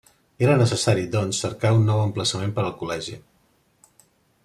Era necessari, doncs, cercar un nou emplaçament per al col·legi.